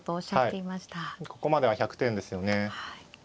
はいここまでは１００点ですよね。